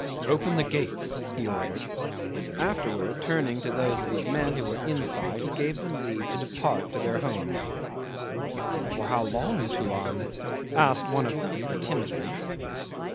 "Open the gates," he ordered. Afterwards, turning to those of his men who were inside, he gave them leave to depart to their homes. "For how long, Tuan?" asked one of them timidly.